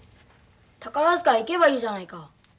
宝塚行けばいいじゃないか。